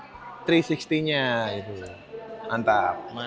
yang berbentuk ini juga ada kamera yang berbentuk ini juga ada kamera yang berbentuk ini juga ada